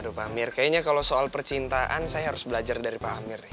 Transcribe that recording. aduh pak amir kayaknya kalau soal percintaan saya harus belajar dari pak amir ya